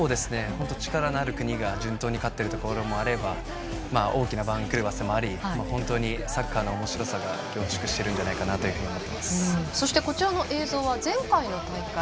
本当に力のある国が順当に勝っているところもあれば大きな番狂わせもあり本当にサッカーのおもしろさが凝縮しているんじゃないかなとそしてこちらの映像は前回の大会